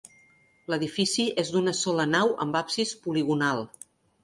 L'edifici és d'una sola nau amb absis poligonal.